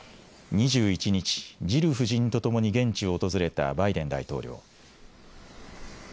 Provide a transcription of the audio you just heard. ２１日、ジル夫人とともに現地を訪れたバイデン大統領。